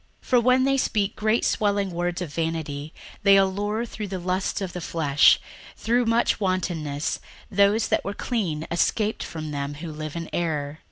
61:002:018 For when they speak great swelling words of vanity, they allure through the lusts of the flesh, through much wantonness, those that were clean escaped from them who live in error.